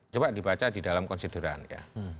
coba dibaca di dalam konsideran ya